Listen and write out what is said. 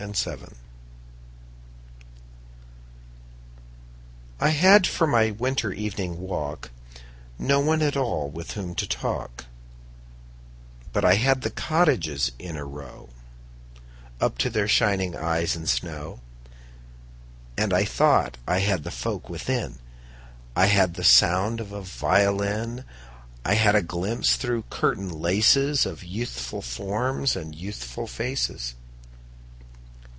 Good Hours I HAD for my winter evening walk No one at all with whom to talk, But I had the cottages in a row Up to their shining eyes in snow. And I thought I had the folk within: I had the sound of a violin; I had a glimpse through curtain laces Of youthful forms and youthful faces.